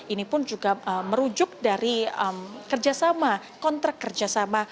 ini pun juga merujuk dari kerjasama kontrak kerjasama